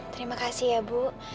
terima kasih ya bu